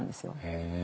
へえ。